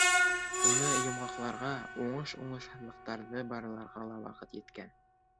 Уны йомғаҡларға, уңыш-уңышһыҙлыҡтарҙы барларға ла ваҡыт еткән.